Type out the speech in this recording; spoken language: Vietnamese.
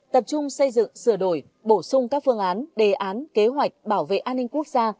tập trung xây dựng sửa đổi bổ sung các phương án đề án kế hoạch bảo vệ an ninh quốc gia